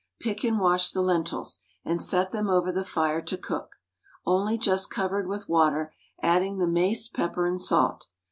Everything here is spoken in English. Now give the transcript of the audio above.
Pick and wash the lentils, and set them over the fire to cook, only just covered with water, adding the mace, pepper, and salt.